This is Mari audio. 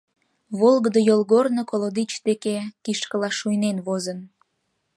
Волгыдо йолгорно колодич деке кишкыла шуйнен возын.